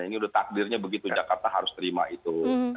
ini udah takdirnya begitu jakarta harus terima itu